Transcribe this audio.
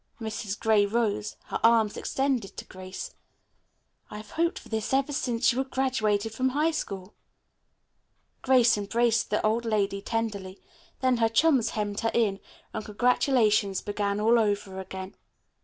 Mrs. Gray rose, her arms extended to Grace. "I have hoped for this ever since you were graduated from high school." Grace embraced the old lady tenderly. Then her chums hemmed her in, and congratulations began all over again.